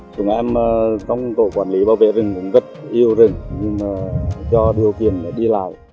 chúng em trong tổ quản lý bảo vệ rừng cũng rất yêu rừng nhưng cho điều kiện để đi lại